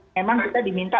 memang kita diminta